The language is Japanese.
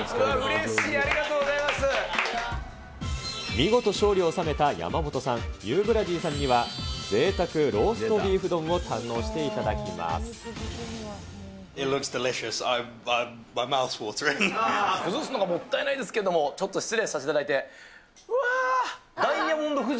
見事勝利を収めた山本さん、ユーブラジーさんにはぜいたくローストビーフ丼を堪能していただ崩すのがもったいないですけど、ちょっと失礼させていただいて。